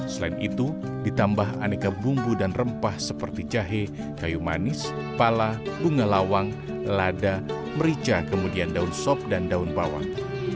selain itu ditambah aneka bumbu dan rempah seperti jahe kayu manis pala bunga lawang lada merica kemudian daun sop dan daun bawang